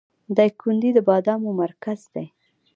دایکنډي د بادامو مرکز دی